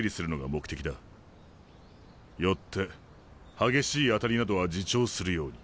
よって激しい当たりなどは自重するように。